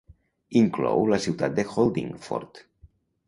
Inclou la ciutat de Holdingford.